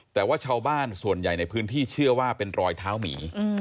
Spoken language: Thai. แต่ว่าชาวบ้านส่วนใหญ่ในพื้นที่เชื่อว่าเป็นรอยเท้าหมี